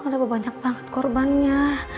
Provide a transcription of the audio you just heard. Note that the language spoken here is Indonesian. kenapa banyak banget korbannya